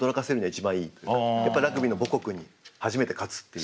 やっぱラグビーの母国に初めて勝つっていう。